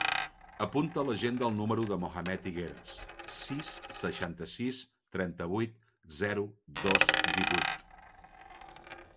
Apunta a l'agenda el número del Mohammed Higueras: sis, seixanta-sis, trenta-vuit, zero, dos, divuit.